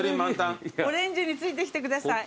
オレンジについてきてください。